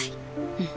うん。